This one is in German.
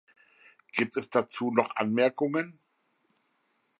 Gibt es dazu noch Anmerkungen?